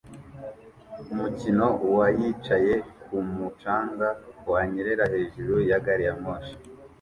Umukino wa yicaye kumu canga wanyerera hejuru ya gari ya moshi